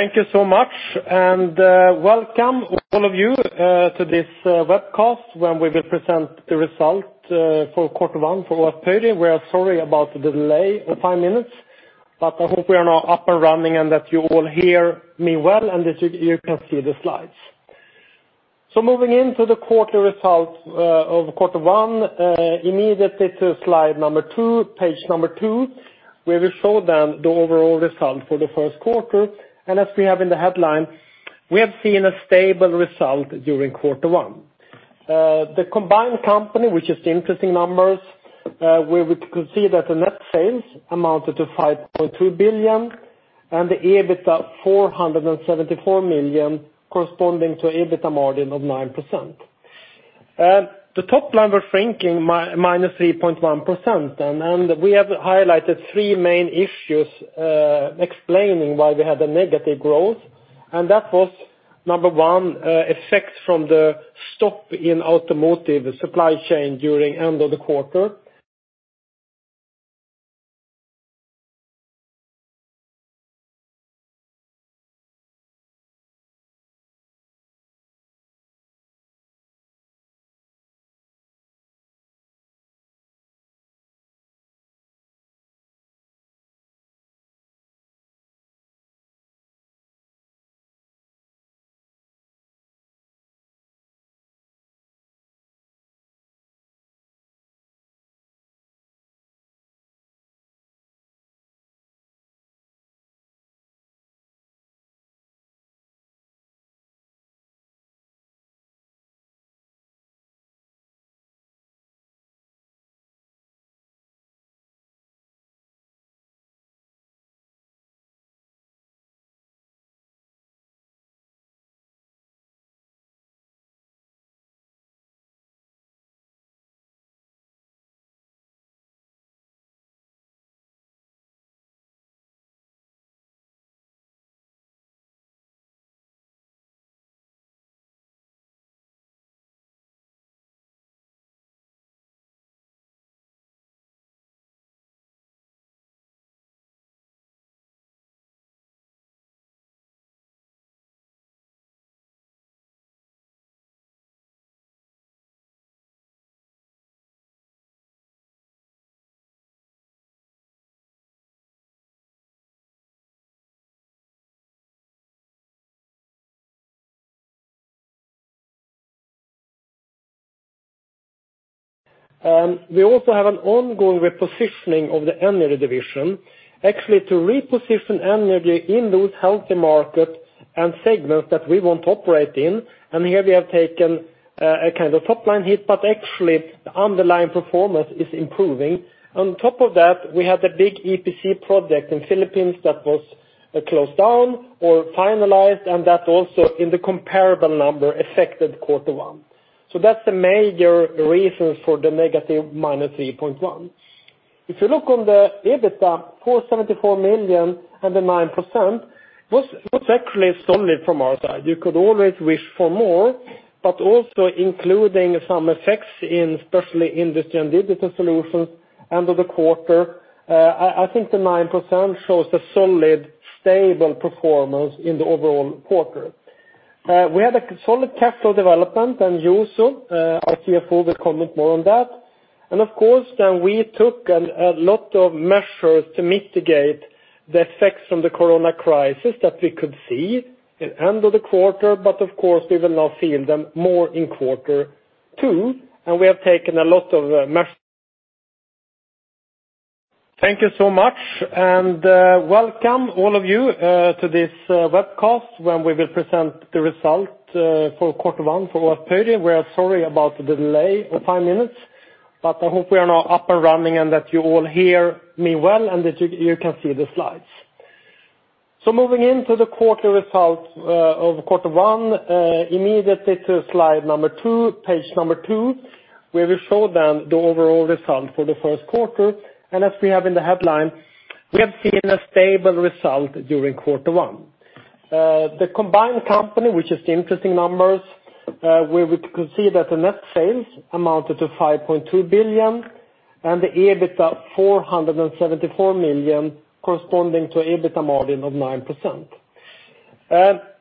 Thank you so much, welcome all of you to this webcast where we will present the result for Q1 for AFRY. We are sorry about the delay of five minutes, I hope we are now up and running and that you all hear me well, that you can see the slides. Moving into the quarterly results of Q1, immediately to slide number two, page number two, where we show the overall result for the Q1. As we have in the headline, we have seen a stable result during Q1. The combined company, which is the interesting numbers, where we could see that the net sales amounted to 5.2 billion and the EBITDA 474 million corresponding to EBITDA margin of 9%. The top line we're shrinking minus 3.1%. We have highlighted three main issues explaining why we had a negative growth.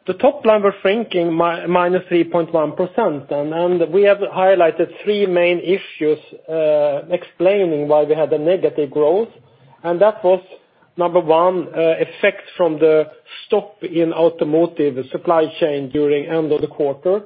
That was, number one, effect from the stop in automotive supply chain during end of the quarter.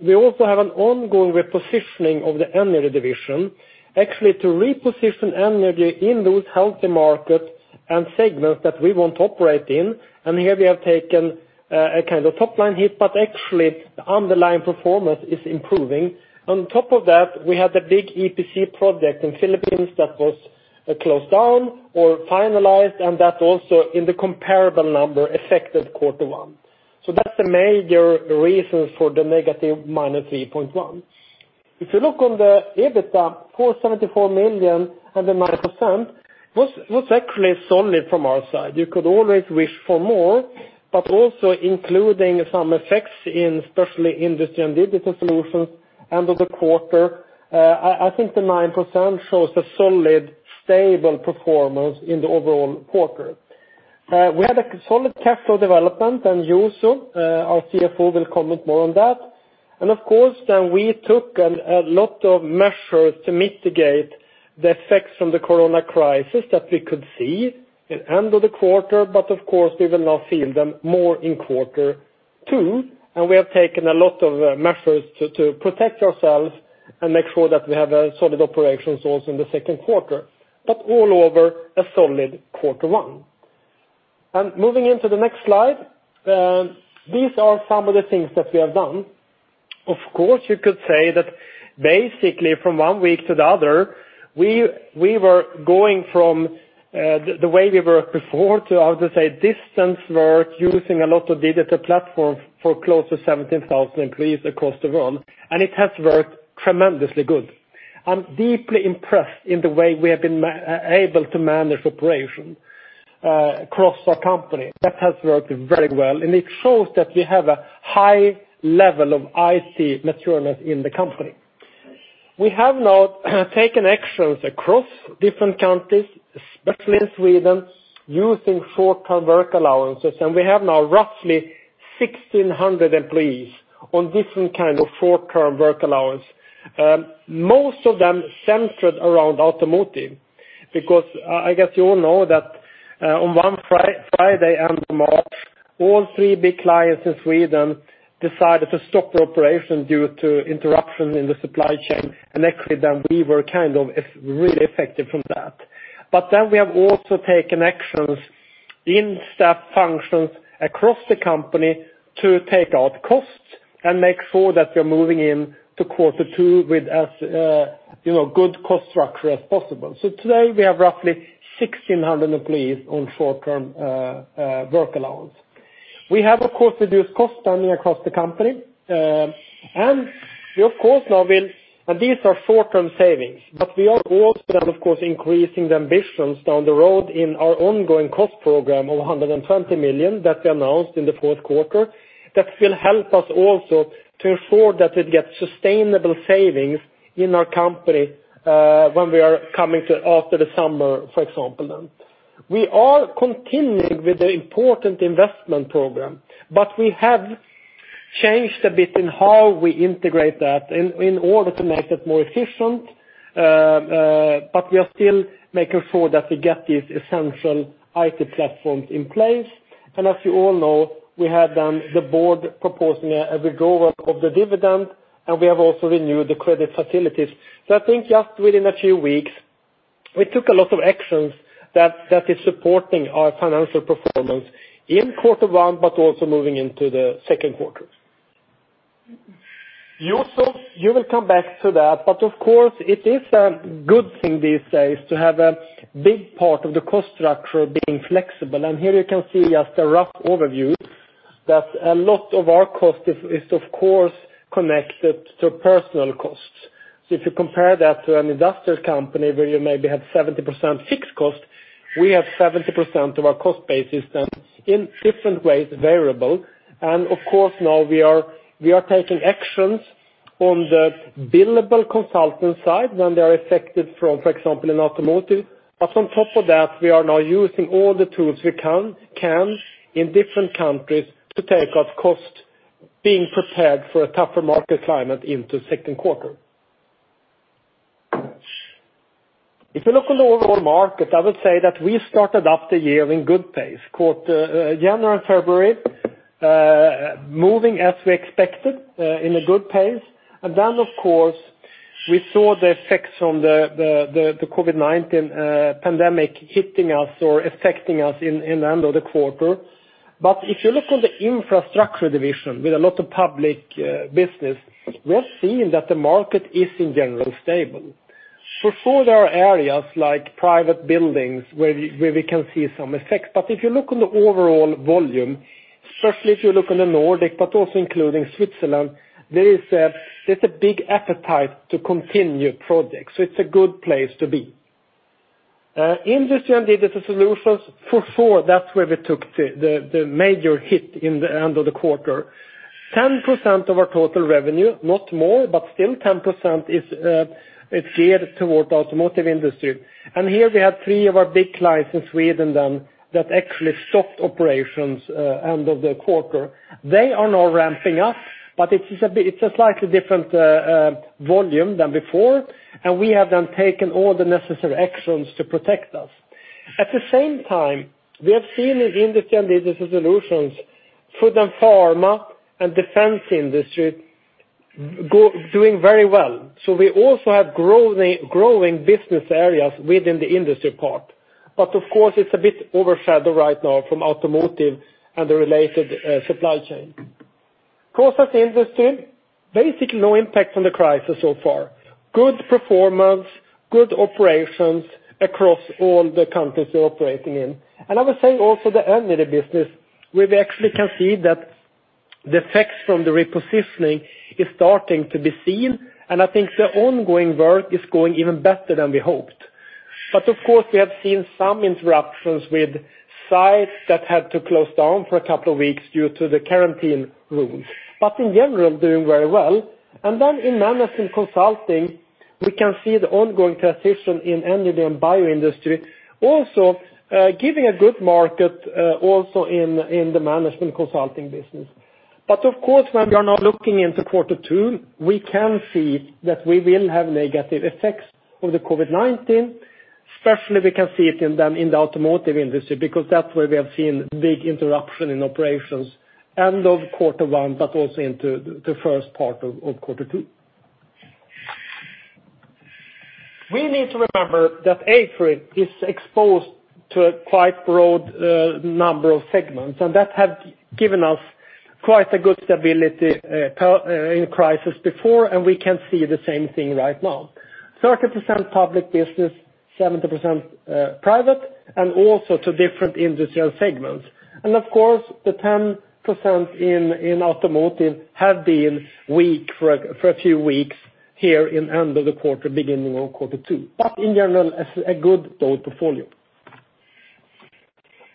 We also have an ongoing repositioning of the Energy Division, actually to reposition Energy in those healthy markets and segments that we want to operate in. Here we have taken a kind of top-line hit, but actually the underlying performance is improving. On top of that, we had a big EPC project in Philippines that was closed down or finalized, and that also, in the comparable number, affected Q1. That's the major reason for the negative minus 3.1. If you look on the EBITDA, 474 million and the 9% was actually solid from our side. You could always wish for more, but also including some effects in especially Industrial & Digital Solutions end of the quarter. I think the 9% shows a solid, stable performance in the overall quarter. We had a solid cash flow development. Juuso, our CFO, will comment more on that. Of course, then we took a lot of measures to mitigate the effects from the corona crisis that we could see end of the quarter. Of course, we will now feel them more in Q2. Thank you so much, and welcome all of you to this webcast where we will present the result for Q1 for AFRY. We are sorry about the delay of five minutes, I the way we worked before to, how to say, distance work using a lot of digital platforms for close to 17,000 employees across the world, and it has worked tremendously good. I'm deeply impressed in the way we have been able to manage operations across our company. That has worked very well, and it shows that we have a high level of IT maturity in the company. We have now taken actions across different countries, especially in Sweden, using short-term work allowances, and we have now roughly 1,600 employees on different kind of short-term work allowance. Most of them centered around automotive, because I guess you all know that on one Friday end of March, all three big clients in Sweden decided to stop operation due to interruption in the supply chain, and actually, then we were really affected from that. We have also taken actions in staff functions across the company to take out costs and make sure that we're moving into Q2 with as good cost structure as possible. Today, we have roughly 1,600 employees on short-term work allowance. We have, of course, reduced cost-cutting across the company. These are short-term savings, but we are also, of course, increasing the ambitions down the road in our ongoing cost program of 120 million that we announced in the Q4 that will help us also to ensure that we get sustainable savings in our company when we are coming to after the summer, for example. We are continuing with the important investment program, but we have changed a bit in how we integrate that in order to make it more efficient, but we are still making sure that we get these essential IT platforms in place. As you all know, we have done the board proposing a waiver of the dividend, and we have also renewed the credit facilities. I think just within a few weeks, we took a lot of actions that is supporting our financial performance in Q1, but also moving into the Q2. Juuso, you will come back to that, but of course, it is a good thing these days to have a big part of the cost structure being flexible, and here you can see just a rough overview that a lot of our cost is, of course, connected to personal costs. If you compare that to an industrial company where you maybe have 70% fixed cost, we have 70% of our cost base is then, in different ways, variable. Of course, now we are taking actions on the billable consultant side when they are affected from, for example, in automotive. On top of that, we are now using all the tools we can in different countries to take out cost, being prepared for a tougher market climate into Q2. If you look on the overall market, I would say that we started up the year in good pace. January and February, moving as we expected in a good pace, and then of course, we saw the effects from the COVID-19 pandemic hitting us or affecting us in the end of the quarter. If you look on the infrastructure division with a lot of public business, we're seeing that the market is in general stable. For sure there are areas like private buildings where we can see some effects, but if you look on the overall volume, especially if you look on the Nordic, but also including Switzerland, there's a big appetite to continue projects. It's a good place to be. Industrial & Digital Solutions, for sure, that's where we took the major hit in the end of the quarter. 10% of our total revenue, not more, but still 10% is geared toward automotive industry. Here we have three of our big clients in Sweden then that actually stopped operations end of the quarter. They are now ramping up, but it's a slightly different volume than before, and we have then taken all the necessary actions to protect us. At the same time, we have seen in Industrial & Digital Solutions, food and pharma, and defense industry doing very well. We also have growing business areas within the industry part. Of course, it's a bit overshadowed right now from automotive and the related supply chain. Process Industries, basically no impact on the crisis so far. Good performance, good operations across all the countries we're operating in. I would say also the Energy Division, where we actually can see that the effects from the repositioning is starting to be seen, and I think the ongoing work is going even better than we hoped. Of course, we have seen some interruptions with sites that had to close down for a couple of weeks due to the quarantine rules. In general, doing very well. In Management Consulting Division, we can see the ongoing transition in energy and bio industry also giving a good market also in the Management Consulting Division. Of course, when we are now looking into Q2, we can see that we will have negative effects of the COVID-19. Especially we can see it in the automotive industry, because that's where we have seen big interruption in operations end of Q1, but also into the first part of Q2. We need to remember that AFRY is exposed to a quite broad number of segments, and that has given us quite a good stability in crisis before, and we can see the same thing right now. 30% public business, 70% private, and also to different industrial segments. Of course, the 10% in automotive have been weak for a few weeks here in end of the quarter, beginning of Q2. In general, a good though portfolio.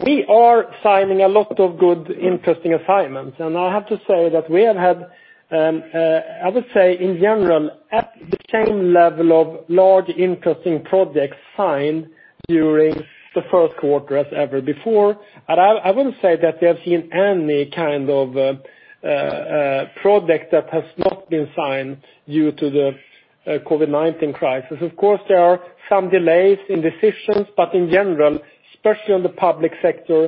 We are signing a lot of good interesting assignments, and I have to say that we have had, I would say in general, at the same level of large interesting projects signed during the Q1 as ever before. I wouldn't say that we have seen any kind of project that has not been signed due to the COVID-19 crisis. Of course, there are some delays in decisions, but in general, especially on the public sector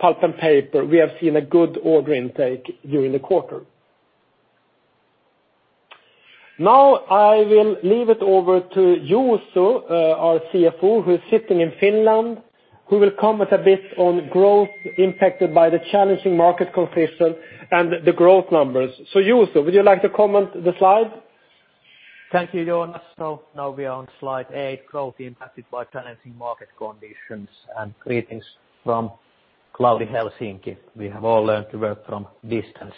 pulp and paper, we have seen a good order intake during the quarter. I will leave it over to Juuso, our CFO, who is sitting in Finland, who will comment a bit on growth impacted by the challenging market conditions and the growth numbers. Juuso, would you like to comment the slide? Thank you, Jonas. Now we are on slide eight, growth impacted by challenging market conditions. Greetings from cloudy Helsinki. We have all learned to work from distance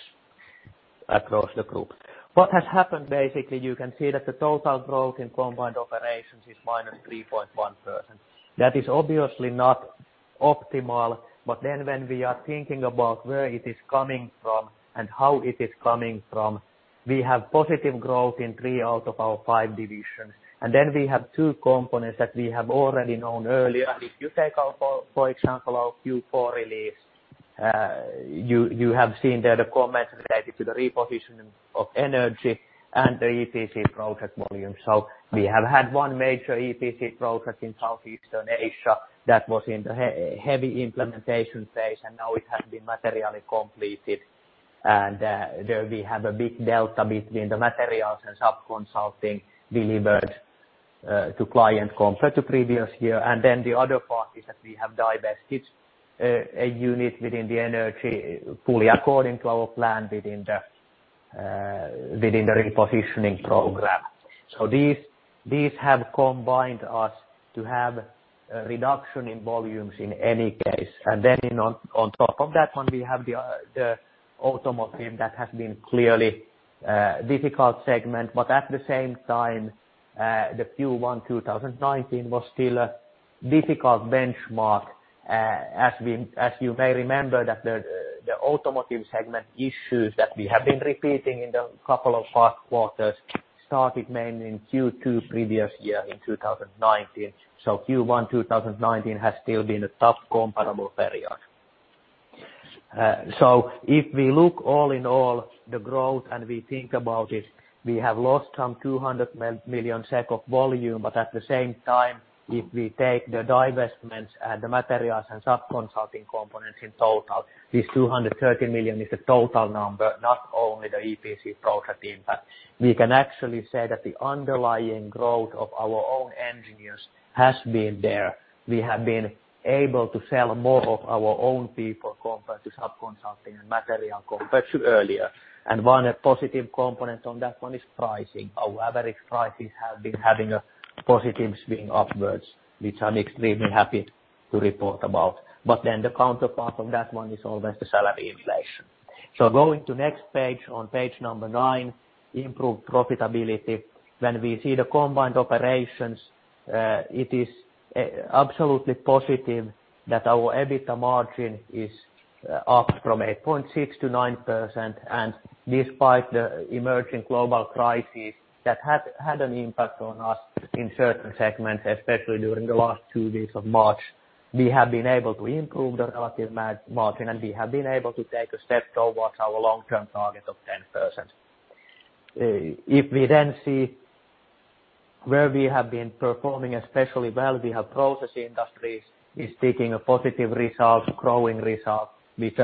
across the group. What has happened, basically, you can see that the total growth in combined operations is -3.1%. That is obviously not optimal, when we are thinking about where it is coming from and how it is coming from, we have positive growth in three out of our five divisions. We have two components that we have already known earlier. If you take, for example, our Q4 release you have seen there the comments related to the repositioning of Energy and the EPC project volume. We have had one major EPC project in Southeastern Asia that was in the heavy implementation phase, and now it has been materially completed. There we have a big delta between the materials and sub-consulting delivered to client compared to previous year. The other part is that we have divested a unit within the Energy fully according to our plan within the repositioning program. These have combined us to have a reduction in volumes in any case. On top of that one, we have the automotive that has been clearly a difficult segment, but at the same time, the Q1 2019 was still a difficult benchmark as you may remember that the automotive segment issues that we have been repeating in the couple of past quarters started mainly in Q2 previous year in 2019. Q1 2019 has still been a tough comparable period. If we look all in all the growth and we think about it, we have lost some 200 million SEK of volume. At the same time, if we take the divestments and the materials and sub-consulting components in total, this 230 million is the total number, not only the EPC project impact. We can actually say that the underlying growth of our own engineers has been there. We have been able to sell more of our own people compared to sub-consulting and material compared to earlier. One positive component on that one is pricing. Our average prices have been having a positive swing upwards, which I'm extremely happy to report about. The counterpart of that one is always the salary inflation. Going to next page, on page number nine, improved profitability. When we see the combined operations, it is absolutely positive that our EBITDA margin is up from 8.6% to 9%. Despite the emerging global crisis that had an impact on us in certain segments, especially during the last two weeks of March, we have been able to improve the relative margin, and we have been able to take a step towards our long-term target of 10%. If we then see where we have been performing especially well, we have Process Industries is taking a positive result, growing result with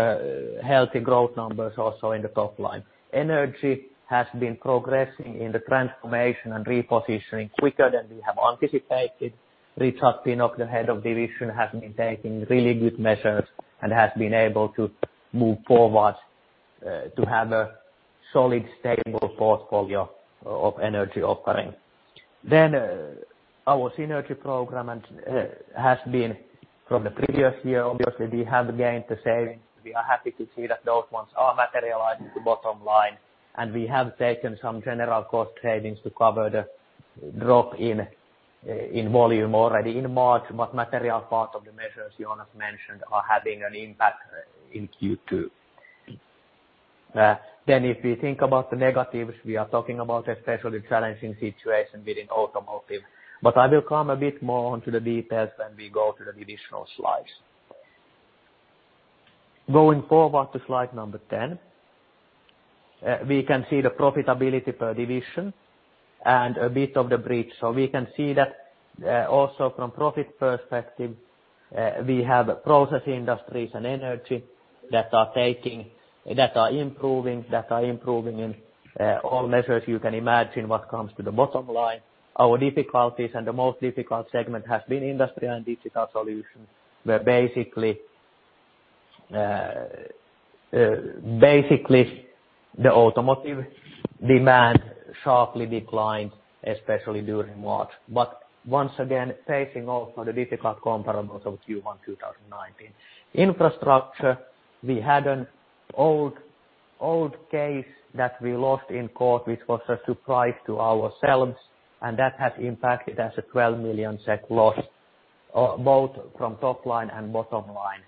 healthy growth numbers also in the top line. Energy has been progressing in the transformation and repositioning quicker than we have anticipated. Richard Pinnock, the head of division, has been taking really good measures and has been able to move forward to have a solid, stable portfolio of energy offering. Our synergy program has been from the previous year. Obviously, we have gained the savings. We are happy to see that those ones are materialized at the bottom line, and we have taken some general cost savings to cover the drop in volume already in March. Material part of the measures Jonas mentioned are having an impact in Q2. If we think about the negatives, we are talking about especially challenging situation within automotive, but I will come a bit more onto the details when we go to the divisional slides. Going forward to slide number 10, we can see the profitability per division and a bit of the bridge. We can see that also from profit perspective, we have Process Industries and Energy that are improving, in all measures you can imagine what comes to the bottom line. Our difficulties and the most difficult segment has been Industrial & Digital Solutions, where basically the automotive demand sharply declined, especially during March. Once again, facing also the difficult comparables of Q1 2019. Infrastructure, we had an old case that we lost in court, which was a surprise to ourselves, that has impacted as a 12 million SEK loss, both from top line and bottom line.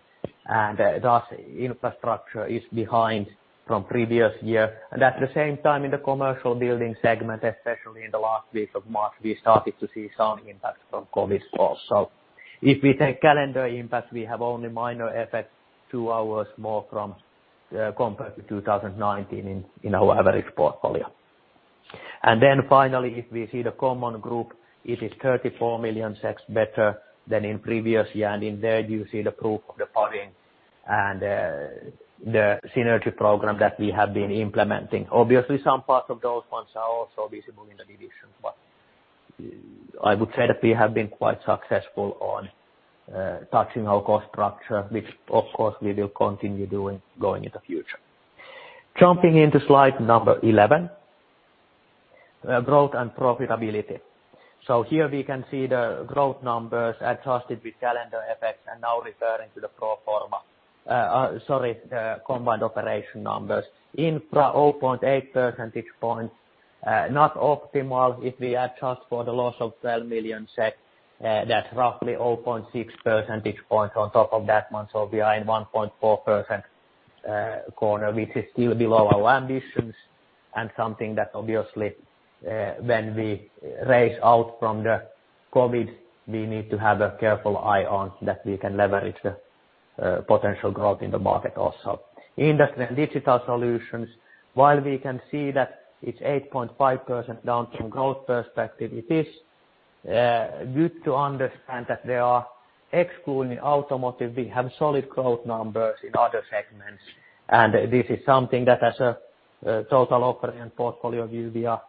Thus infrastructure is behind from previous year. At the same time in the commercial building segment, especially in the last week of March, we started to see some impact from COVID-19 also. If we take calendar impact, we have only minor effects, two hours more compared to 2019 in our average portfolio. Finally, if we see the common group, it is 34 million better than in previous year. In there you see the proof of the cutting and the synergy program that we have been implementing. Obviously, some parts of those ones are also visible in the divisions, but I would say that we have been quite successful on touching our cost structure, which of course we will continue doing going in the future. Jumping into slide number 11. Growth and profitability. Here we can see the growth numbers adjusted with calendar effects and now referring to the combined operation numbers. Infra, 0.8 percentage points. Not optimal if we adjust for the loss of 12 million, that's roughly 0.6 percentage points on top of that one. We are in 1.4% corner, which is still below our ambitions and something that obviously when we raise out from the COVID-19, we need to have a careful eye on that we can leverage the potential growth in the market also. Industrial & Digital Solutions, while we can see that it's 8.5% down from growth perspective, it is good to understand that they are excluding automotive. We have solid growth numbers in other segments, and this is something that as a total operating portfolio view, we are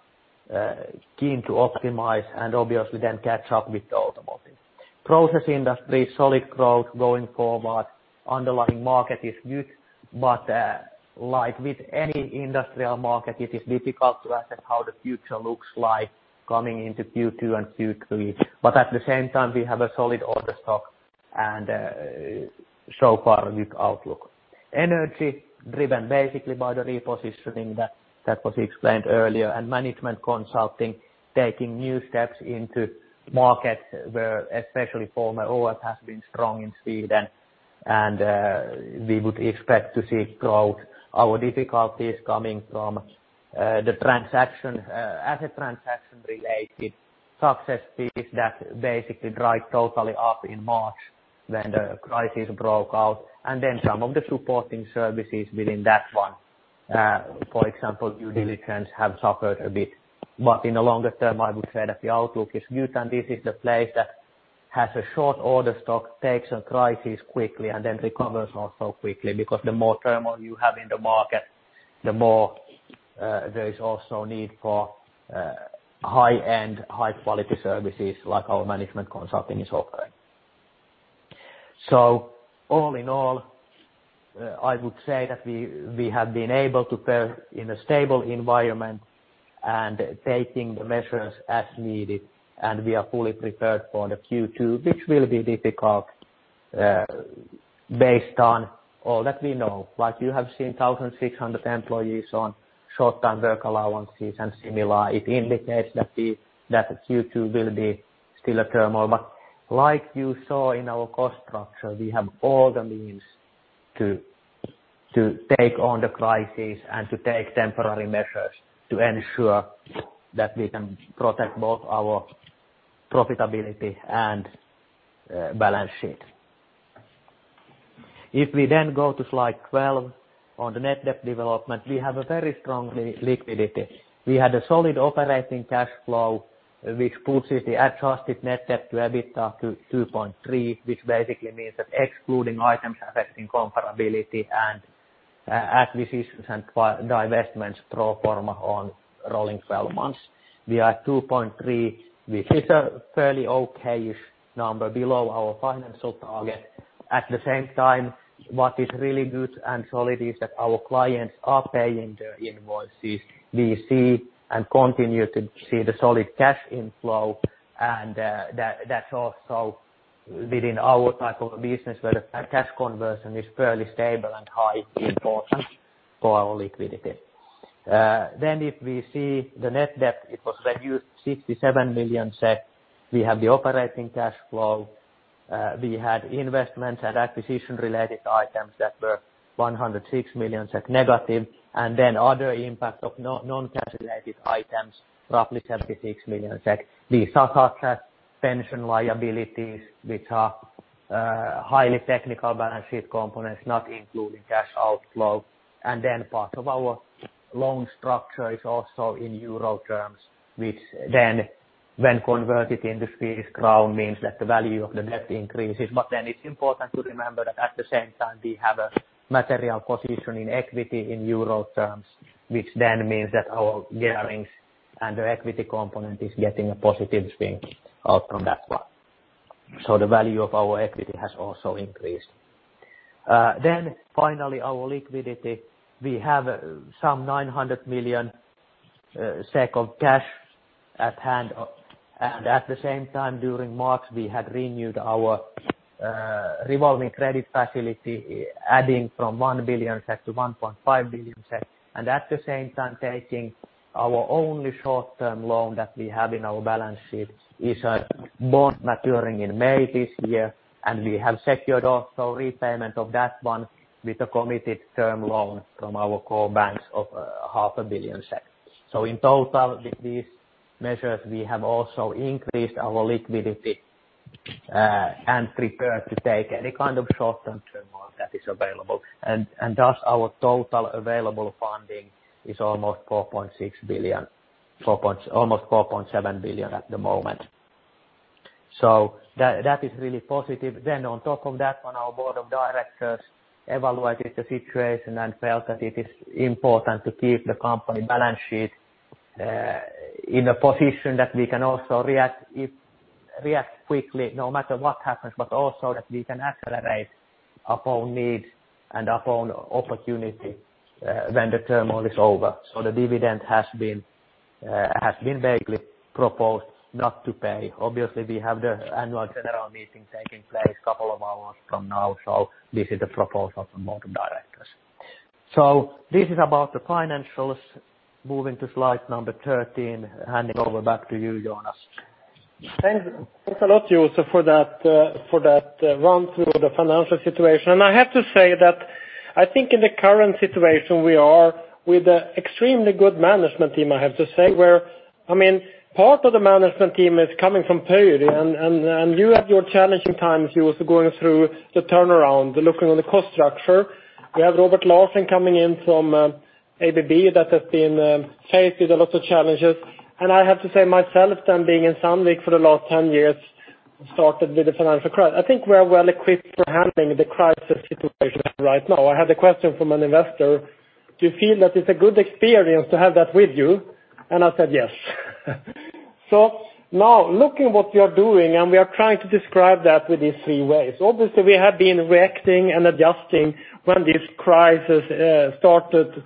keen to optimize and obviously then catch up with the automotive. Process Industries, solid growth going forward. Underlying market is good. Like with any industrial market, it is difficult to assess how the future looks like coming into Q2 and Q3. At the same time, we have a solid order stock and so far good outlook. Energy driven basically by the repositioning that was explained earlier and Management Consulting taking new steps into markets where especially former ÅF has been strong in Sweden and we would expect to see growth. Our difficulties coming from the asset transaction related success fees that basically dried totally up in March when the crisis broke out and then some of the supporting services within that one. For example, due diligence have suffered a bit. In the longer term, I would say that the outlook is good and this is the place that has a short order stock, takes a crisis quickly and then recovers also quickly. The more turmoil you have in the market, the more there is also need for high-end, high-quality services like our Management Consulting is offering. All in all, I would say that we have been able to fare in a stable environment and taking the measures as needed, and we are fully prepared for the Q2, which will be difficult based on all that we know. Like you have seen 1,600 employees on short-term work allowances and similar. It indicates that Q2 will be still a turmoil. Like you saw in our cost structure, we have all the means to take on the crisis and to take temporary measures to ensure that we can protect both our profitability and balance sheet. If we go to slide 12 on the net debt development, we have a very strong liquidity. We had a solid operating cash flow, which pushes the adjusted net debt to EBITDA to 2.3, which basically means that excluding items affecting comparability and acquisitions and divestments pro forma on rolling 12 months. We are at 2.3, which is a fairly okay-ish number below our financial target. At the same time, what is really good and solid is that our clients are paying their invoices. We see and continue to see the solid cash inflow and that's also within our type of business where the cash conversion is fairly stable and high, important for our liquidity. If we see the net debt, it was reduced 67 million SEK. We have the operating cash flow. We had investments and acquisition related items that were 106 million negative. Other impact of non-cash related items, roughly 76 million. These are such as pension liabilities, which are highly technical balance sheet components, not including cash outflow. Part of our loan structure is also in Euro terms, which when converted into SEK, means that the value of the debt increases. It's important to remember that at the same time, we have a material position in equity in Euro terms, which means that our gearings under equity component is getting a positive spin out from that one. The value of our equity has also increased. Finally, our liquidity. We have some 900 million SEK of cash at hand. At the same time during March, we had renewed our revolving credit facility, adding from 1 billion to 1.5 billion. At the same time, taking our only short-term loan that we have in our balance sheet is a bond maturing in May this year, and we have secured also repayment of that one with a committed term loan from our core banks of half a billion SEK. In total, with these measures, we have also increased our liquidity, and prepared to take any kind of short-term term loan that is available. Thus, our total available funding is almost 4.6 billion, almost 4.7 billion at the moment. That is really positive. On top of that one, our board of directors evaluated the situation and felt that it is important to keep the company balance sheet, in a position that we can also react quickly no matter what happens, but also that we can accelerate our own needs and our own opportunity when the turmoil is over. The dividend has been vaguely proposed not to pay. Obviously, we have the annual general meeting taking place couple of hours from now. This is the proposal from board of directors. This is about the financials. Moving to slide number 13, handing over back to you, Jonas. Thanks a lot, Juuso, for that run through the financial situation. I have to say that I think in the current situation we are with a extremely good management team, I have to say, where part of the management team is coming from Pöyry, and you had your challenging times, Juuso, going through the turnaround, looking on the cost structure. We have Robert Larsson coming in from ABB that has been faced with a lot of challenges. I have to say myself then, being in Sandvik for the last 10 years, started with the financial crisis. I think we're well equipped for handling the crisis situation right now. I had a question from an investor: do you feel that it's a good experience to have that with you? I said yes. Now looking what we are doing, and we are trying to describe that with these three ways. Obviously, we have been reacting and adjusting when this crisis started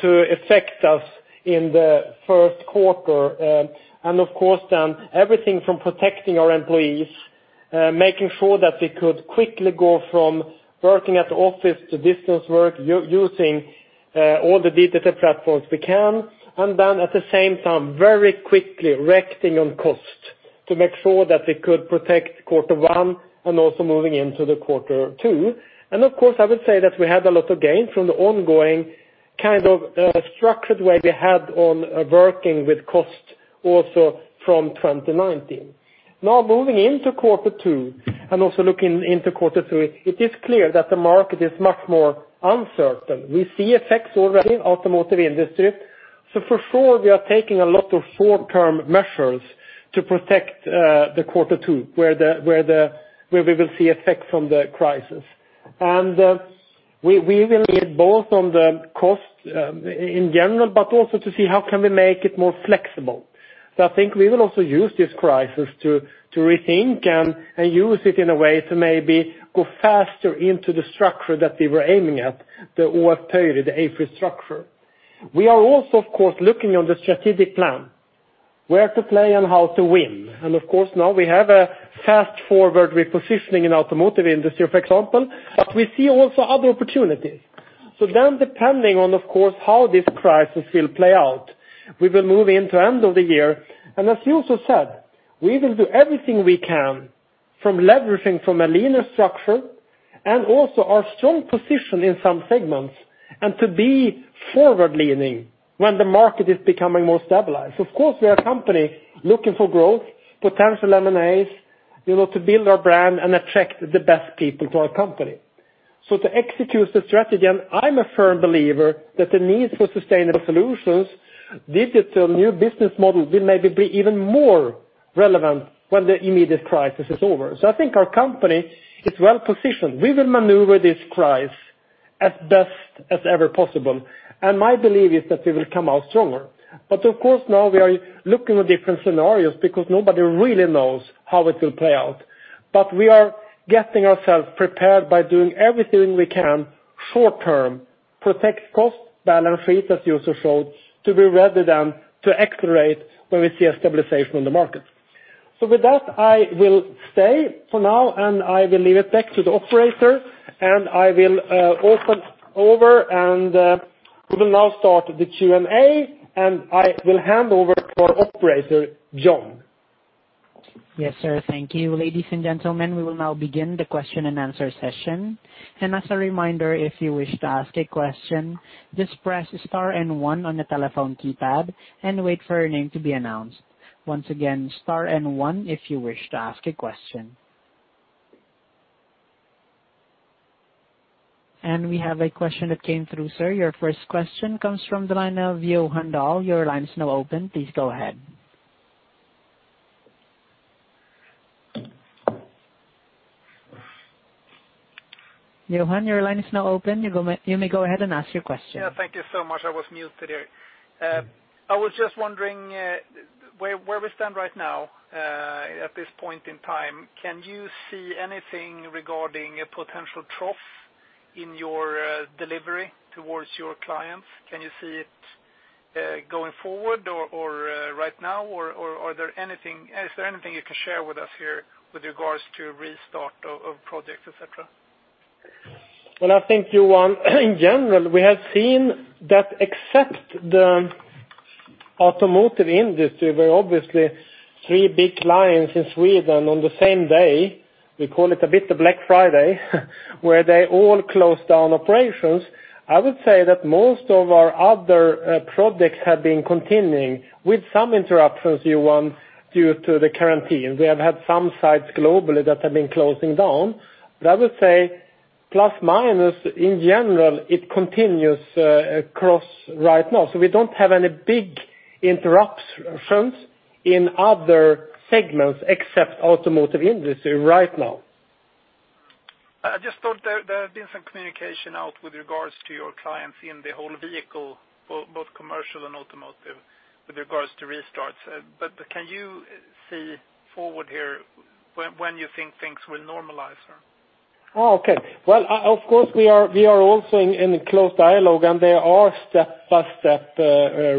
to affect us in the Q1. Of course then, everything from protecting our employees, making sure that we could quickly go from working at the office to distance work using all the digital platforms we can. At the same time, very quickly reacting on cost to make sure that we could protect Q1 and also moving into the Q2. Of course, I would say that we had a lot of gain from the ongoing kind of structured way we had on working with cost also from 2019. Now moving into Q2 and also looking into Q3, it is clear that the market is much more uncertain. We see effects already in automotive industry. For sure, we are taking a lot of short-term measures to protect the Q2, where we will see effect from the crisis. We will lead both on the cost in general, but also to see how can we make it more flexible. I think we will also use this crisis to rethink and use it in a way to maybe go faster into the structure that we were aiming at, the ÅF Pöyry, the AFRY structure. We are also, of course, looking on the strategic plan, where to play and how to win. Of course, now we have a fast-forward repositioning in automotive industry, for example, but we see also other opportunities. Depending on, of course, how this crisis will play out, we will move into end of the year. As Juuso said, we will do everything we can from leveraging from a leaner structure and also our strong position in some segments and to be forward-leaning when the market is becoming more stabilized. Of course, we are a company looking for growth, potential M&As, to build our brand and attract the best people to our company. To execute the strategy, and I'm a firm believer that the need for sustainable solutions, digital new business model will maybe be even more relevant when the immediate crisis is over. I think our company is well positioned. We will maneuver this crisis as best as ever possible, and my belief is that we will come out stronger. Of course, now we are looking at different scenarios because nobody really knows how it will play out. We are getting ourselves prepared by doing everything we can short term, protect cost, balance sheet, as Juuso showed, to be ready then to accelerate when we see a stabilization in the market. With that, I will stay for now, and I will leave it back to the operator, and I will open over, and we will now start the Q&A, and I will hand over to operator John. Yes, sir. Thank you. Ladies and gentlemen, we will now begin the question and answer session. As a reminder, if you wish to ask a question, just press star and one on your telephone keypad and wait for your name to be announced. Once again, star and one if you wish to ask a question. We have a question that came through, sir. Your first question comes from the line of Johan Dahl. Your line is now open. Please go ahead. Johan, your line is now open. You may go ahead and ask your question. Thank you so much. I was muted here. I was just wondering where we stand right now at this point in time. Can you see anything regarding a potential trough in your delivery towards your clients? Can you see it going forward or right now, or is there anything you can share with us here with regards to restart of project, et cetera? Well, I think, Johan, in general, we have seen that except the automotive industry, where obviously three big clients in Sweden on the same day, we call it a bit the Black Friday, where they all closed down operations. I would say that most of our other projects have been continuing with some interruptions, Johan, due to the quarantine. We have had some sites globally that have been closing down. I would say plus, minus, in general, it continues across right now. We don't have any big interruptions in other segments except automotive industry right now. I just thought there had been some communication out with regards to your clients in the whole vehicle, both commercial and automotive, with regards to restarts. Can you see forward here when you think things will normalize, sir? Oh, okay. Of course, we are also in a close dialogue, and they are step-by-step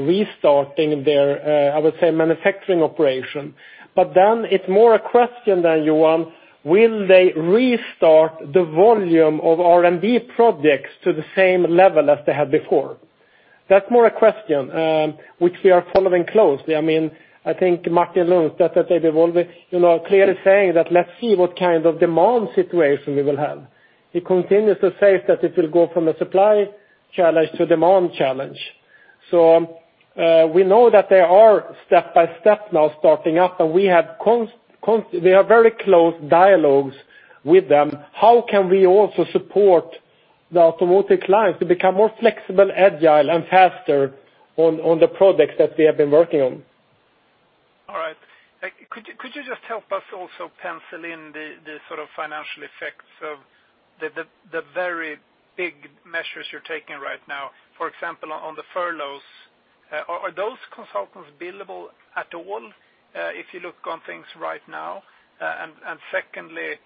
restarting their, I would say, manufacturing operation. It's more a question then, Johan, will they restart the volume of R&D projects to the same level as they had before? That's more a question, which we are following closely. I think Martin Lundstedt that they've been clearly saying that let's see what kind of demand situation we will have. He continues to say that it will go from a supply challenge to demand challenge. We know that they are step by step now starting up, and we have very close dialogues with them. How can we also support the automotive clients to become more flexible, agile, and faster on the projects that we have been working on? All right. Could you just help us also pencil in the sort of financial effects of the very big measures you're taking right now, for example, on the furloughs? Are those consultants billable at all if you look on things right now? Secondly,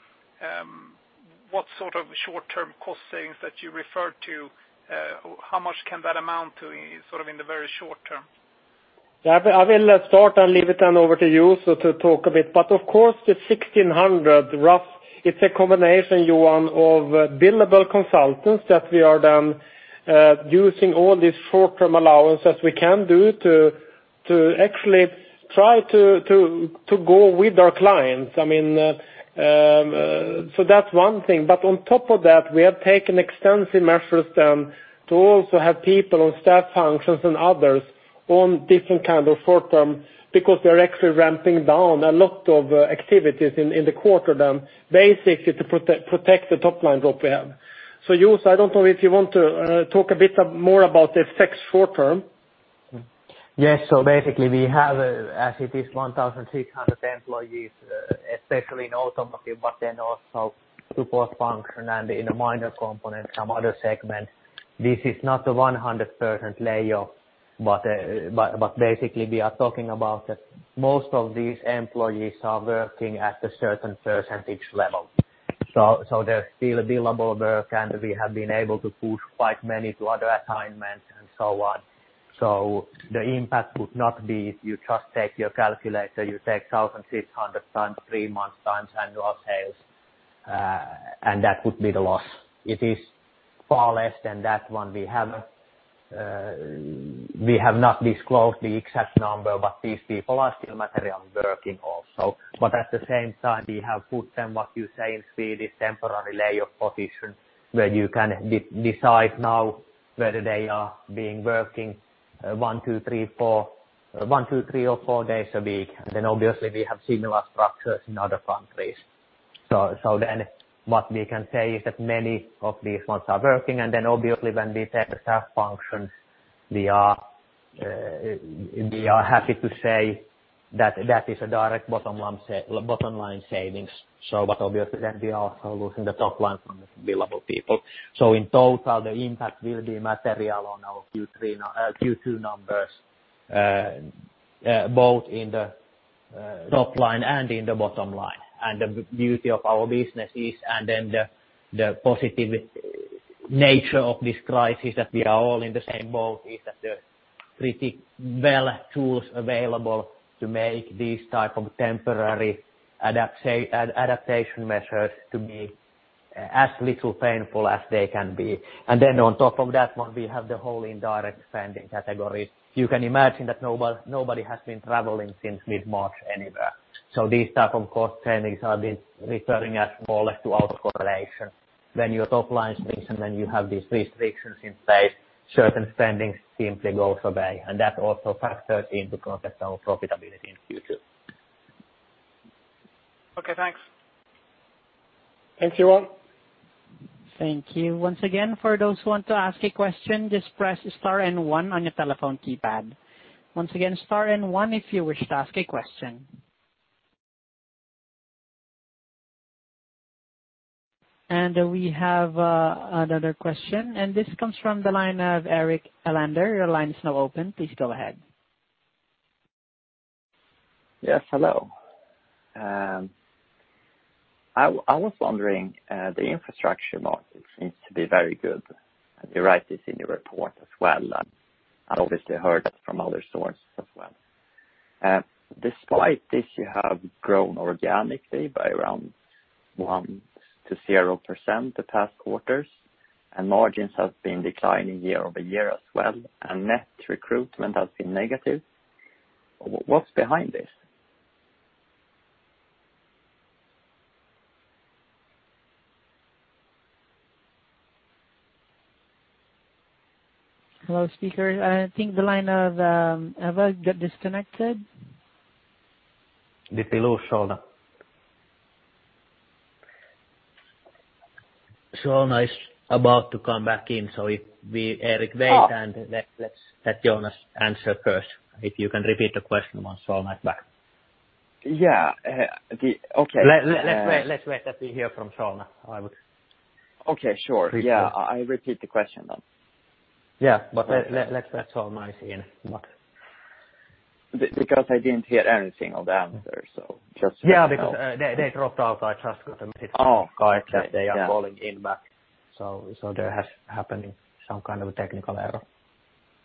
what sort of short-term work allowances that you referred to, how much can that amount to sort of in the very short term? I will start and leave it then over to you to talk a bit. Of course, the 1,600 rough, it's a combination, Johan, of billable consultants that we are then using all these Short-term Work Allowances we can do to actually try to go with our clients. That's one thing, but on top of that, we have taken extensive measures then to also have people on staff functions and others on different kind of short term because they're actually ramping down a lot of activities in the quarter then basically to protect the top line drop we have. Juuso, I don't know if you want to talk a bit more about the effects short term. Yes. Basically we have, as it is 1,600 employees, especially in automotive, then also support function and in a minor component, some other segments. This is not a 100% layoff, basically we are talking about that most of these employees are working at a certain percentage level. There's still billable work, we have been able to push quite many to other assignments and so on. The impact would not be if you just take your calculator, you take 1,600 times three months times annual sales, that would be the loss. It is far less than that one. We have not disclosed the exact number, these people are still material working also. At the same time, we have put them, what you say in Sweden, temporary layoff position, where you can decide now whether they are being working one, two, three or four days a week. Obviously, we have similar structures in other countries. What we can say is that many of these ones are working, and then obviously when we take the staff functions, we are happy to say that that is a direct bottom-line savings. Obviously, we are also losing the top line from the billable people. In total, the impact will be material on our Q2 numbers both in the top line and in the bottom line. The beauty of our business is, and then the positive nature of this crisis that we are all in the same boat is that there are pretty well tools available to make these type of temporary adaptation measures to be as little painful as they can be. On top of that one, we have the whole indirect spending category. You can imagine that nobody has been traveling since mid-March anywhere. This type of cost savings have been referring as more or less to auto-correction. When your top line shrinks and then you have these restrictions in place, certain spendings simply go away. That also factors into profitability in the future. Okay, thanks. Thanks, Johan. Thank you. Once again, for those who want to ask a question, just press star and one on your telephone keypad. Once again, star and one if you wish to ask a question. We have another question, and this comes from the line of Erik Elander. Your line is now open. Please go ahead. Yes. Hello. I was wondering, the infrastructure market seems to be very good, and you write this in your report as well. I obviously heard it from other sources as well. Despite this, you have grown organically by around 1%-0% the past quarters, and margins have been declining year-over-year as well, and net recruitment has been negative. What's behind this? Hello, speaker. I think the line of Erik got disconnected. Did we lose Jonas? Jonas is about to come back in. If we, Erik, wait and let Jonas answer first. If you can repeat the question once Jonas is back. Yeah. Okay. Let's wait until we hear from Jonas. Okay, sure. Yeah. I repeat the question then. Yeah. let Jonas is in. Because I didn't hear anything of the answer. Yeah, because they dropped out. I just got a message. Oh, okay. Yeah. They are calling in back. There has happened some kind of technical error.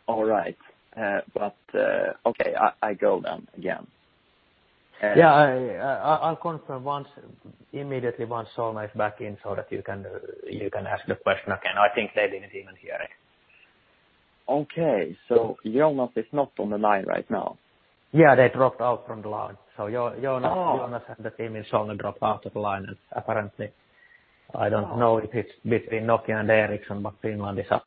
All right. Okay, I go then again. Yeah. I'll confirm immediately once Jonas is back in, so that you can ask the question again. I think they didn't even hear it. Okay. Jonas is not on the line right now? Yeah, they dropped out from the line. Oh. Jonas and the team is on the drop out of the line. Apparently, I don't know if it's between Nokia and Ericsson, but Finland is up.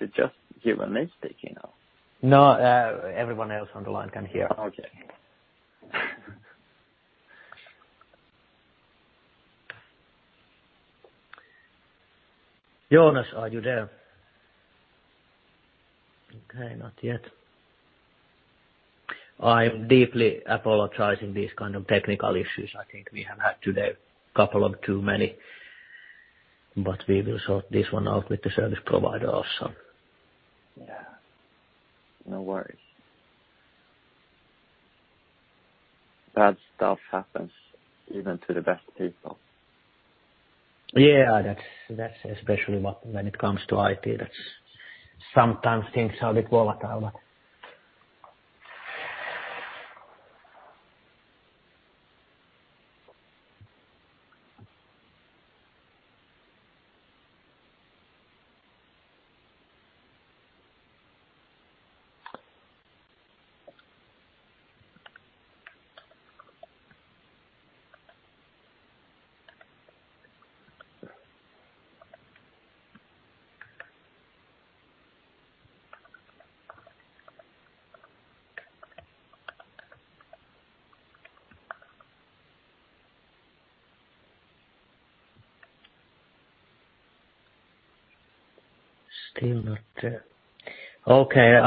It's just given mistake now. No, everyone else on the line can hear. Okay. Jonas, are you there? Okay, not yet. I am deeply apologizing these kind of technical issues I think we have had today. A couple of too many. We will sort this one out with the service provider also. Yeah. No worries. Bad stuff happens even to the best people. Yeah, that's especially when it comes to IT. Sometimes things are a bit volatile. Still not there. Okay,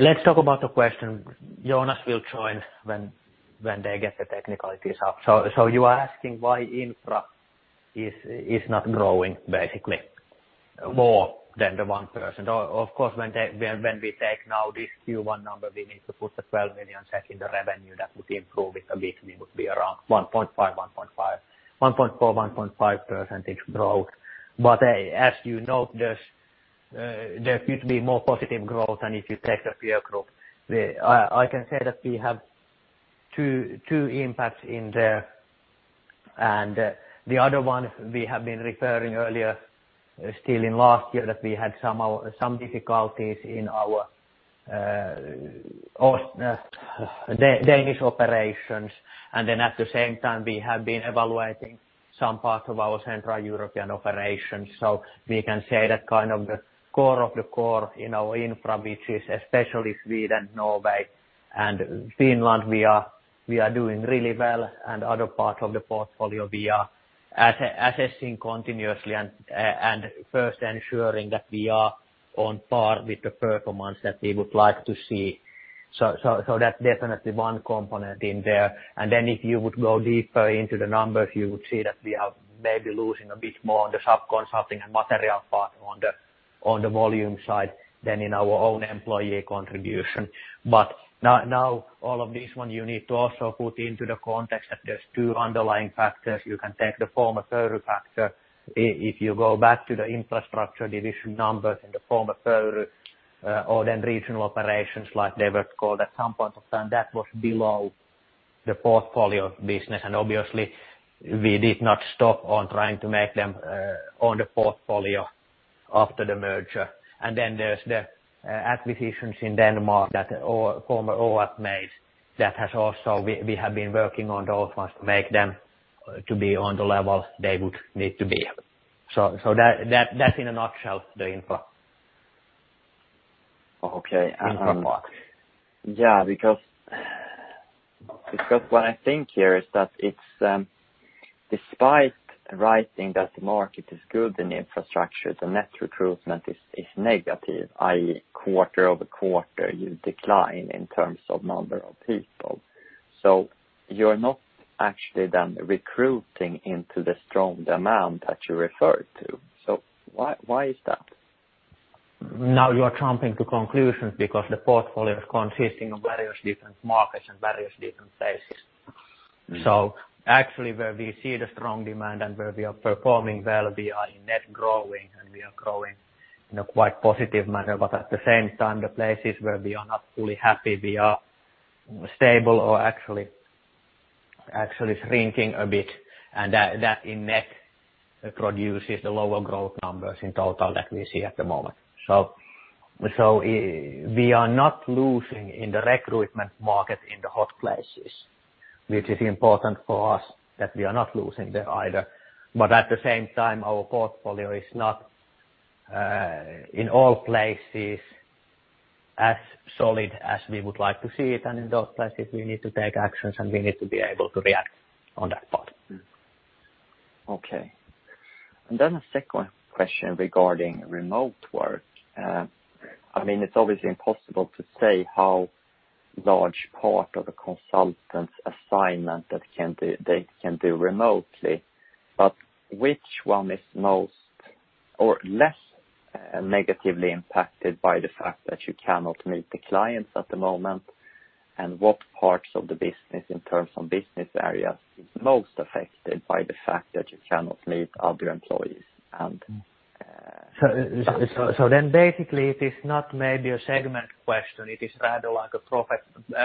let's talk about the question. Jonas will join when they get the technicalities up. You are asking why infra is not growing basically more than the 1%. Of course, when we take now this Q1 number, we need to put the 12 million check in the revenue that would improve it a bit. We would be around 1.4%, 1.5% growth. As you note, there appear to be more positive growth than if you take the peer group. I can say that we have two impacts in there, the other one we have been referring earlier still in last year, that we had some difficulties in our Danish operations. At the same time, we have been evaluating some parts of our Central European operations. We can say that kind of the core of the core in our infra, which is especially Sweden, Norway, and Finland, we are doing really well. Other parts of the portfolio we are assessing continuously and first ensuring that we are on par with the performance that we would like to see. That's definitely one component in there. If you would go deeper into the numbers, you would see that we are maybe losing a bit more on the sub-consulting and material part on the volume side than in our own employee contribution. Now all of this one you need to also put into the context that there's two underlying factors. You can take the former Pöyry factor. If you go back to the Infrastructure Division numbers in the former Pöyry or then regional operations like they were called at some point of time, that was below the portfolio business. Obviously we did not stop on trying to make them on the portfolio after the merger. Then there's the acquisitions in Denmark that former OAS made that we have been working on those ones to make them to be on the level they would need to be. That in a nutshell the infra. Okay. Infra part. What I think here is that despite writing that the market is good in infrastructure, the net recruitment is negative, i.e. quarter-over-quarter you decline in terms of number of people. You're not actually then recruiting into the strong demand that you referred to. Why is that? You are jumping to conclusions because the portfolio is consisting of various different markets and various different places. Actually where we see the strong demand and where we are performing well, we are net growing, and we are growing in a quite positive manner. At the same time, the places where we are not fully happy, we are stable or actually shrinking a bit, and that in net produces the lower growth numbers in total that we see at the moment. We are not losing in the recruitment market in the hot places, which is important for us that we are not losing there either. At the same time, our portfolio is not in all places as solid as we would like to see it. In those places, we need to take actions, and we need to be able to react on that part. Okay. Then a second question regarding remote work. It's obviously impossible to say how large part of a consultant's assignment that they can do remotely, but which one is most or less negatively impacted by the fact that you cannot meet the clients at the moment? What parts of the business in terms of business areas is most affected by the fact that you cannot meet other employees. Basically it is not maybe a segment question, it is rather like a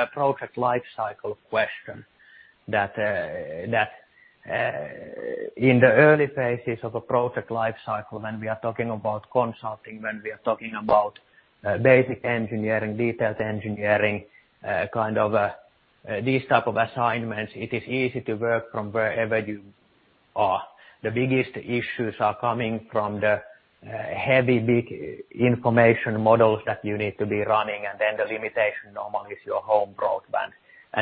project life cycle question. That in the early phases of a project life cycle, when we are talking about consulting, when we are talking about basic engineering, detailed engineering these type of assignments, it is easy to work from wherever you are. The biggest issues are coming from the heavy, big information models that you need to be running, and then the limitation normally is your home broadband.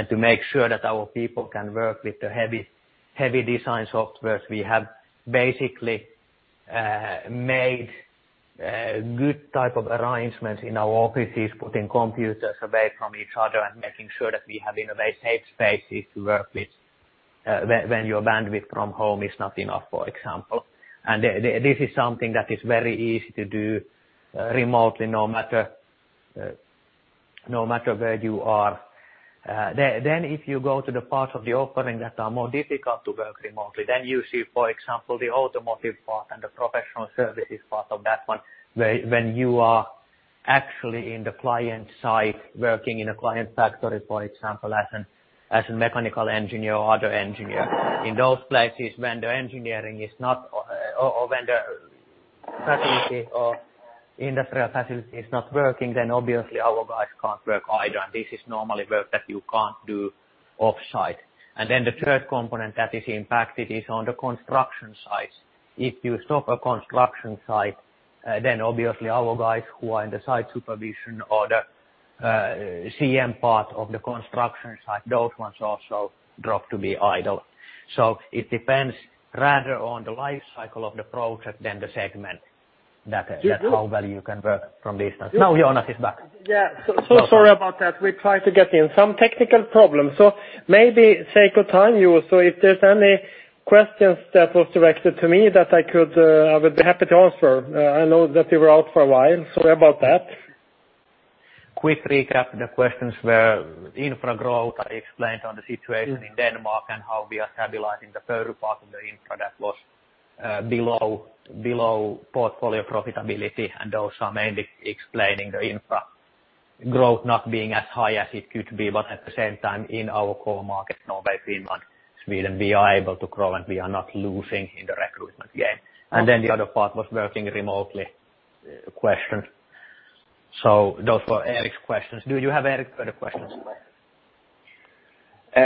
To make sure that our people can work with the heavy design softwares, we have basically made good type of arrangements in our offices, putting computers away from each other and making sure that we have in a way safe spaces to work with when your bandwidth from home is not enough, for example. This is something that is very easy to do remotely, no matter where you are. If you go to the parts of the offering that are more difficult to work remotely, you see, for example, the automotive part and the professional services part of that one. When you are actually in the client site, working in a client factory, for example, as a mechanical engineer or other engineer. In those places when the facility or industrial facility is not working, then obviously our guys can't work either, and this is normally work that you can't do offsite. The third component that is impacted is on the construction sites. If you stop a construction site, then obviously our guys who are in the site supervision or the CM part of the construction site, those ones also drop to be idle. It depends rather on the life cycle of the project than the segment. That is how well you can work from distance. Now Jonas is back. Yeah. Sorry about that. We try to get in. Some technical problems. Maybe sake of time, Juuso, if there's any questions that was directed to me that I would be happy to answer. I know that you were out for a while. Sorry about that. Quick recap. The questions were infra growth. I explained on the situation in Denmark and how we are stabilizing the Pöyry part of the infra that was below portfolio profitability. Those are mainly explaining the infra growth not being as high as it could be, but at the same time in our core market, Norway, Finland, Sweden, we are able to grow. We are not losing in the recruitment game. The other part was working remotely question. Those were Erik's questions. Do you have, Erik, further questions?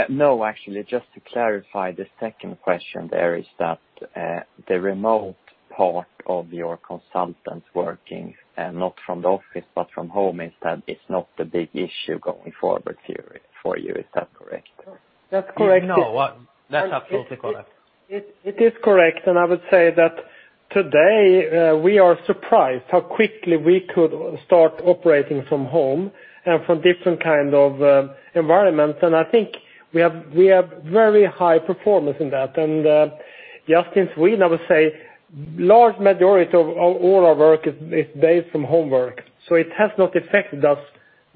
No, actually. Just to clarify the second question there is that the remote part of your consultants working not from the office but from home is that it is not the big issue going forward? For you, is that correct? That's correct. No. That's absolutely correct. It is correct. I would say that today, we are surprised how quickly we could start operating from home and from different kind of environments. I think we have very high performance in that. Just in Sweden, I would say large majority of all our work is based from homework, so it has not affected us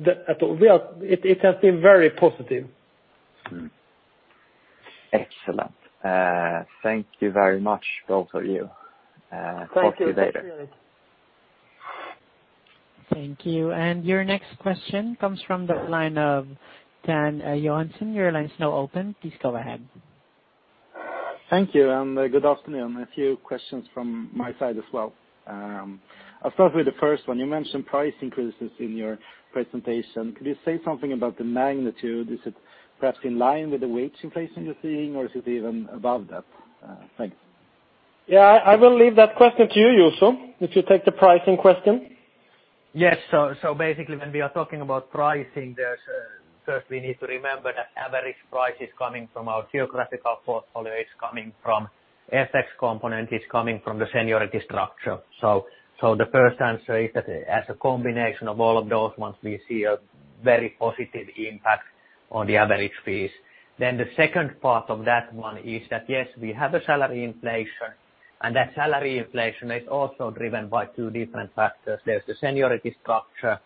at all. It has been very positive. Excellent. Thank you very much, both of you. Thank you. Talk to you later. Thank you. Your next question comes from the line of Dan Johansson. Your line is now open. Please go ahead. Thank you. Good afternoon. A few questions from my side as well. I'll start with the first one. You mentioned price increases in your presentation. Could you say something about the magnitude? Is it perhaps in line with the wage inflation you're seeing, or is it even above that? Thanks. Yeah, I will leave that question to you, Juuso. If you take the pricing question? Yes. Basically, when we are talking about pricing, first we need to remember that average price is coming from our geographical portfolio. It's coming from FX component, it's coming from the seniority structure. The first answer is that as a combination of all of those ones, we see a very positive impact on the average fees. The second part of that one is that, yes, we have a salary inflation, and that salary inflation is also driven by two different factors. There's the seniority structure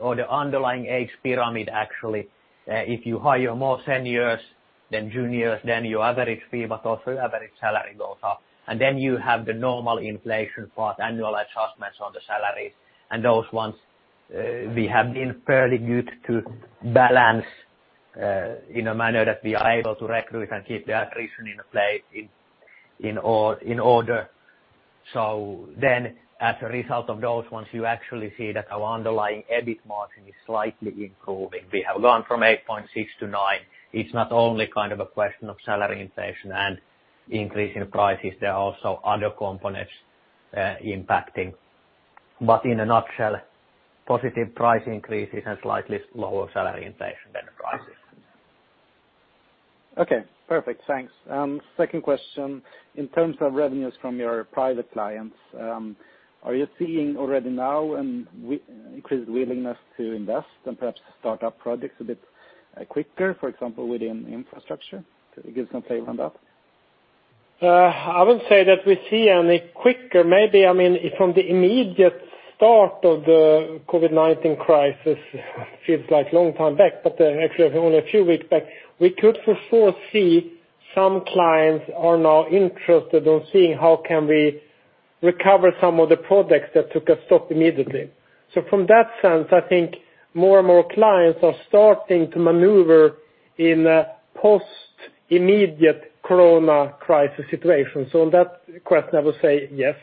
or the underlying age pyramid, actually. If you hire more seniors than juniors, your average fee, but also your average salary goes up. You have the normal inflation part, annual adjustments on the salary. Those ones, we have been fairly good to balance in a manner that we are able to recruit and keep the attrition in order. As a result of those ones, you actually see that our underlying EBIT margin is slightly improving. We have gone from 8.6%-9%. It's not only a question of salary inflation and increase in prices. There are also other components impacting. In a nutshell, positive price increases and slightly lower salary inflation than the prices. Okay, perfect. Thanks. Second question. In terms of revenues from your private clients, are you seeing already now increased willingness to invest and perhaps start up projects a bit quicker, for example, within infrastructure? Could you give some flavor on that? I would say that we see quicker maybe from the immediate start of the COVID-19 crisis, feels like long time back, but actually only a few weeks back. We could for sure see some clients are now interested on seeing how can we recover some of the projects that took a stop immediately. From that sense, I think more and more clients are starting to maneuver in a post-immediate COVID-19 crisis situation. On that question, I would say yes.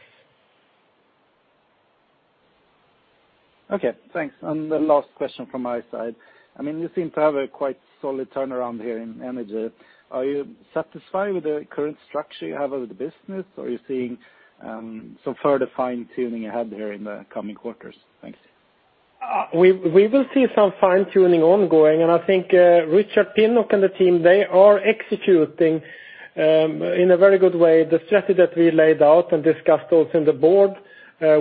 Okay, thanks. The last question from my side. You seem to have a quite solid turnaround here in Energy. Are you satisfied with the current structure you have with the business, or are you seeing some further fine-tuning ahead there in the coming quarters? Thanks. We will see some fine-tuning ongoing, and I think Richard Pinnock and the team, they are executing in a very good way the strategy that we laid out and discussed also in the board.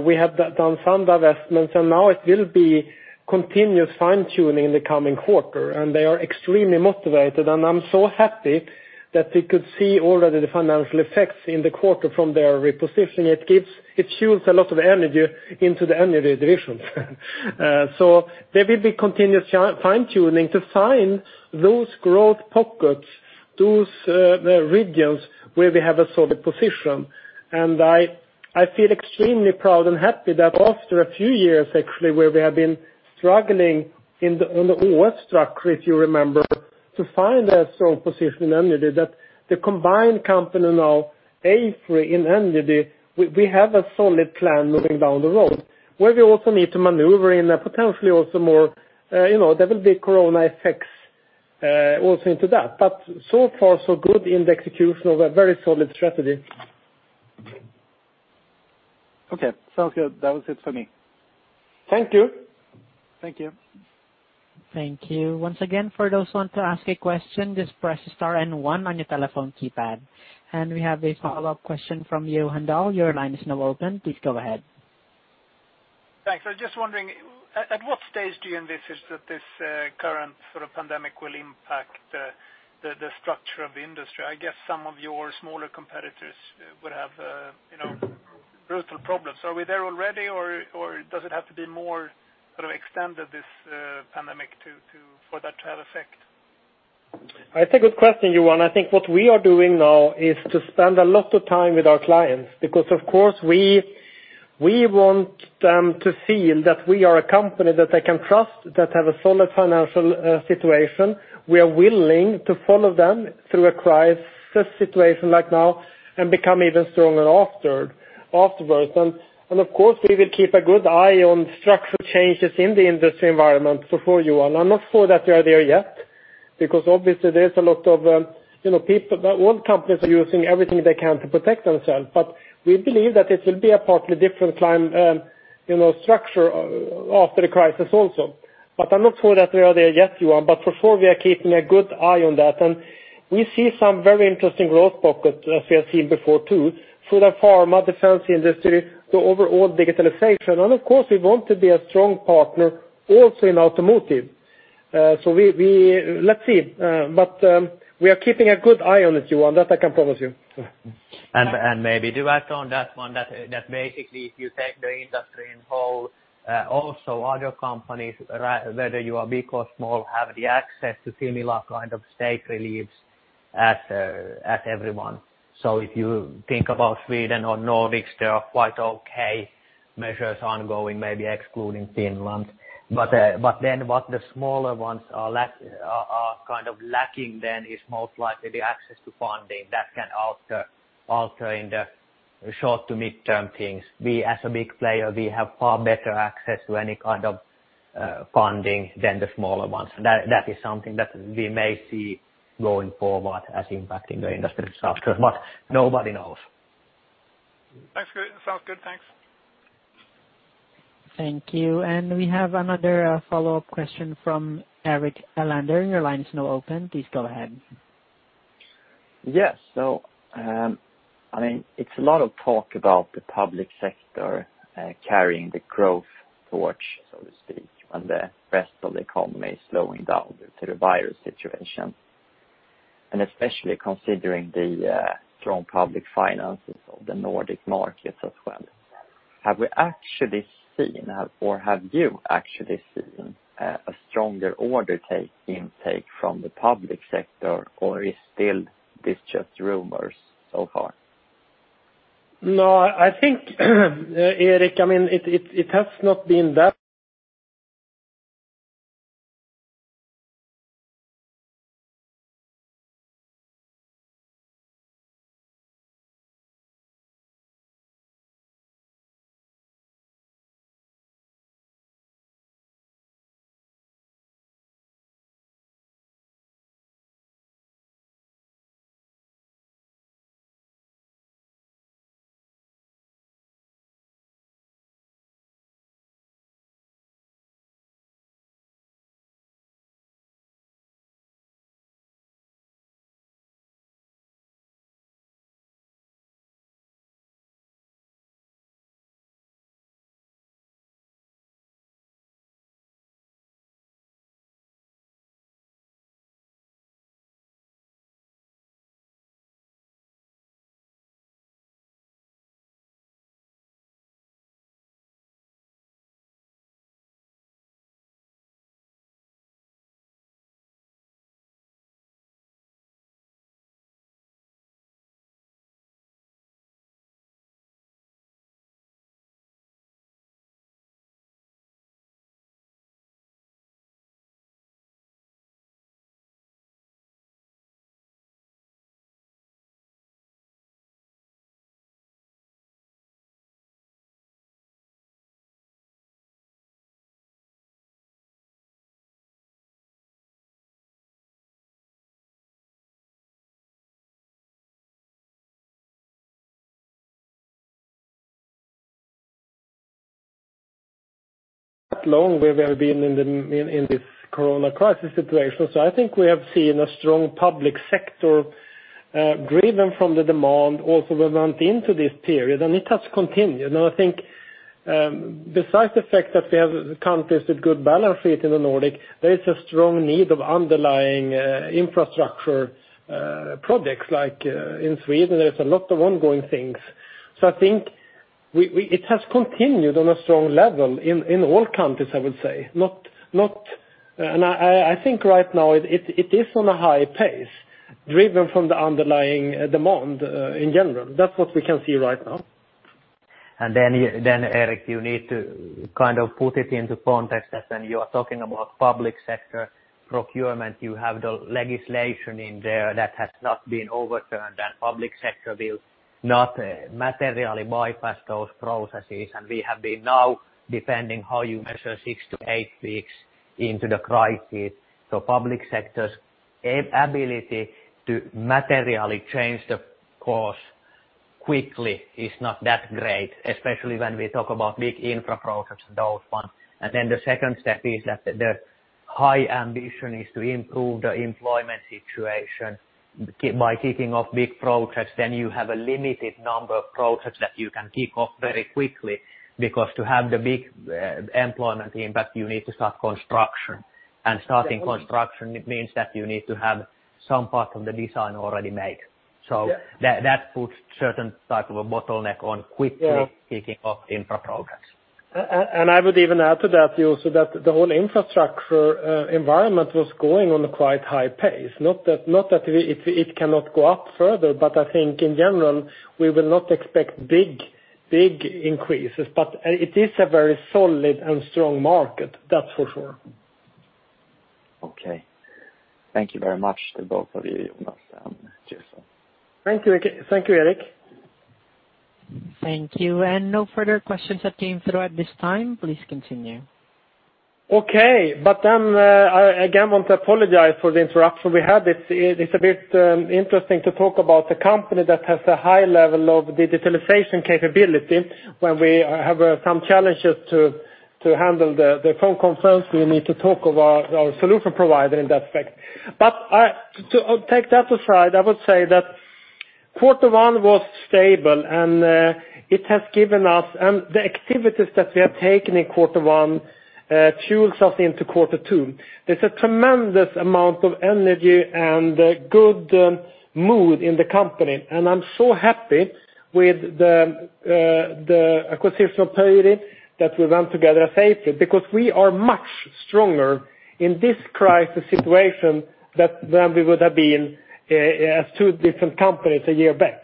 We have done some divestments, and now it will be continuous fine-tuning in the coming quarter. They are extremely motivated, and I'm so happy that we could see already the financial effects in the quarter from their repositioning. It fuels a lot of energy into the Energy Division. There will be continuous fine-tuning to find those growth pockets, those regions where we have a solid position. I feel extremely proud and happy that after a few years, actually, where we have been struggling on the OS structure, if you remember, to find a strong position in Energy, that the combined company now, AFRY and Energy, we have a solid plan moving down the road, where we also need to maneuver in a potentially also more There will be corona effects also into that. So far, so good in the execution of a very solid strategy. Okay, sounds good. That was it for me. Thank you. Thank you. Thank you. Once again, for those who want to ask a question, just press star and one on your telephone keypad. We have a follow-up question from Johan Dahl. Your line is now open. Please go ahead. Thanks. I was just wondering, at what stage do you envisage that this current pandemic will impact the structure of the industry? I guess some of your smaller competitors would have brutal problems. Are we there already, or does it have to be more extended, this pandemic, for that to have effect? It's a good question, Johan. I think what we are doing now is to spend a lot of time with our clients because, of course, we want them to feel that we are a company that they can trust, that have a solid financial situation. We are willing to follow them through a crisis situation like now and become even stronger afterwards. Of course, we will keep a good eye on structural changes in the industry environment. For you, Johan, I'm not sure that we are there yet. Because obviously, all companies are using everything they can to protect themselves. We believe that it will be a partly different structure after the crisis also. I'm not sure that we are there yet, Johan, but for sure we are keeping a good eye on that. We see some very interesting growth pockets as we have seen before, too. Food and pharma, defense industry, the overall digitalization. Of course, we want to be a strong partner also in automotive. Let's see. We are keeping a good eye on it, Johan, that I can promise you. Maybe to add on that one, that basically if you take the industry in whole, also other companies, whether you are big or small, have the access to similar kind of state reliefs as everyone. If you think about Sweden or Nordics, there are quite okay measures ongoing, maybe excluding Finland. What the smaller ones are lacking then is most likely the access to funding that can alter in the short to midterm things. We, as a big player, we have far better access to any kind of funding than the smaller ones. That is something that we may see going forward as impacting the industrial structures, but nobody knows. That's good. Sounds good. Thanks. Thank you. We have another follow-up question from Erik Elander. Your line is now open. Please go ahead. Yes. It's a lot of talk about the public sector carrying the growth torch, so to speak, when the rest of the economy is slowing down due to the virus situation, and especially considering the strong public finances of the Nordic markets as well. Have we actually seen, or have you actually seen a stronger order intake from the public sector or is still this just rumors so far? No, I think, Erik, it has not been that long where we have been in this corona crisis situation. I think we have seen a strong public sector driven from the demand also went into this period, and it has continued. I think besides the fact that we have countries with good balance sheet in the Nordic, there is a strong need of underlying infrastructure projects. Like in Sweden, there's a lot of ongoing things. I think it has continued on a strong level in all countries, I would say. I think right now it is on a high pace driven from the underlying demand in general. That's what we can see right now. Then, Erik, you need to put it into context that when you are talking about public sector procurement, you have the legislation in there that has not been overturned and public sector will not materially bypass those processes. We have been now, depending how you measure six to eight weeks into the crisis. Public sector's ability to materially change the course quickly is not that great, especially when we talk about big infra projects and those ones. Then the second step is that the high ambition is to improve the employment situation by kicking off big projects. You have a limited number of projects that you can kick off very quickly, because to have the big employment impact, you need to start construction. Starting construction means that you need to have some part of the design already made. Yeah. that puts certain type of a bottleneck on. Yeah kicking off infra projects. I would even add to that also that the whole infrastructure environment was going on a quite high pace. Not that it cannot go up further, but I think in general, we will not expect big increases. It is a very solid and strong market, that's for sure. Okay. Thank you very much to both of you, Jonas and Juuso. Thank you, Erik. Thank you. No further questions have came through at this time. Please continue. I again want to apologize for the interruption we had. It's a bit interesting to talk about a company that has a high level of digitalization capability when we have some challenges to handle the phone conference. We need to talk of our solution provider in that effect. To take that aside, I would say that Q1 was stable, and the activities that we have taken in Q1 fuels us into Q2. There's a tremendous amount of energy and good mood in the company, and I'm so happy with the acquisition of Pöyry, that we run together AFRY, because we are much stronger in this crisis situation than we would have been as two different companies a year back.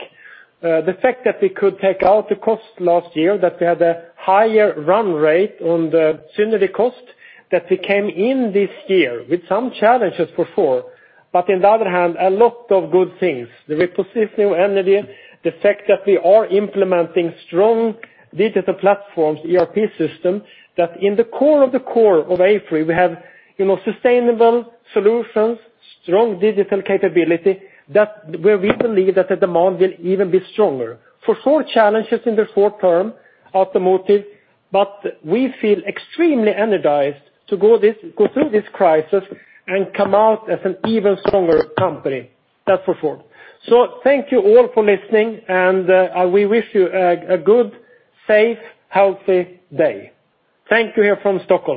The fact that we could take out the cost last year, that we had a higher run rate on the synergy cost that we came in this year with some challenges before. On the other hand, a lot of good things. The repositioning of Energy, the fact that we are implementing strong digital platforms, ERP system, that in the core of the core of AFRY, we have sustainable solutions, strong digital capability, where we believe that the demand will even be stronger. For sure, challenges in the short term, automotive, but we feel extremely energized to go through this crisis and come out as an even stronger company. That's for sure. Thank you all for listening, and we wish you a good, safe, healthy day. Thank you here from Stockholm.